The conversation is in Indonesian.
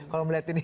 kalau melihat ini